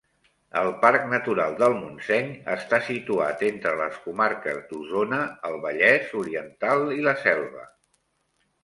El Parc Natural del Montseny està situat entre les comarques d'Osona, el Vallès Oriental i la Selva.